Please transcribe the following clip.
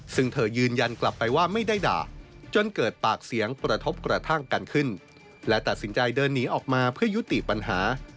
ซึ่งเธอยืนยันกลับไปว่าไม่ได้ด่าจนเกิดปากเสียงกระทบกระทั่งกันขึ้นและตัดสินใจเดินหนีออกมาเพื่อยุติปัญหา